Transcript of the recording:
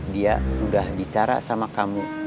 dia udah bicara sama kamu